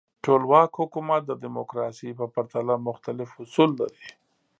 ټولواک حکومت د دموکراسۍ په پرتله مختلف اصول لري.